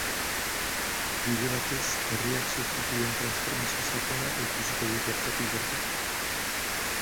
Bide batez, herriak sufritu duen transformazio sakona ikusiko du bertatik bertara.